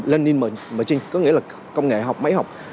lên in machine có nghĩa là công nghệ học máy học